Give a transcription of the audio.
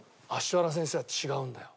芦原先生は違うんだよ。